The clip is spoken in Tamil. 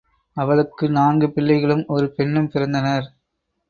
அவளுக்கு நான்கு பிள்ளைகளும், ஒரு பெண்ணும் பிறந்தனர்.